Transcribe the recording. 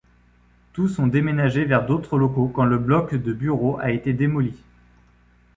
Tous ont déménagé vers d'autres locaux quand le bloc de bureaux a été démoli.